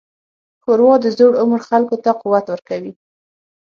ښوروا د زوړ عمر خلکو ته قوت ورکوي.